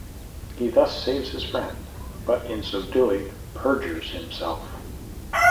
He thus saves his friend, but in so doing perjures himself.